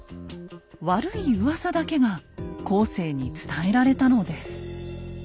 悪いうわさだけが後世に伝えられたのです。